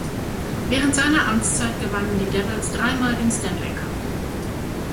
Während seiner Amtszeit gewannen die Devils dreimal den Stanley Cup.